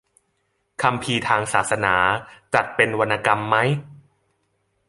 คัมภีร์ทางศาสนาจัดเป็นวรรณกรรมไหม